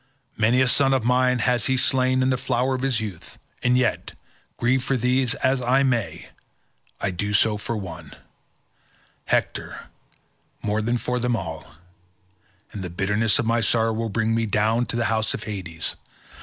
Many a son of mine has he slain in the flower of his youth, and yet, grieve for these as I may, I do so for one—Hector—more than for them all, and the bitterness of my sorrow will bring me down to the house of Hades.